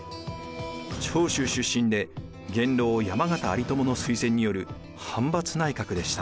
長州出身で元老山県有朋の推薦による藩閥内閣でした。